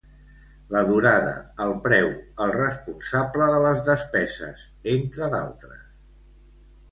La durada, el preu, el responsable de les despeses, entre d'altres.